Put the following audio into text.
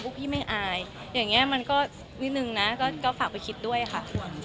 พี่ไม่อายอย่างนี้มันก็นิดนึงนะก็ฝากไปคิดด้วยค่ะ